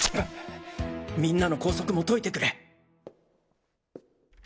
みんなの拘束も解いてくれ！